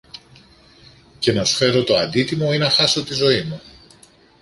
και να σου φέρω το αντίτιμο ή να χάσω τη ζωή μου